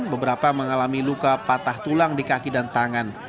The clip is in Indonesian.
beberapa mengalami luka patah tulang di kaki dan tangan